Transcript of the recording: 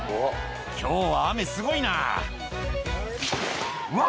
「今日は雨すごいな」うわ！